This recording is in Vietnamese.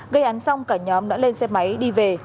gây án xong cả nhóm đã lên xe máy đi về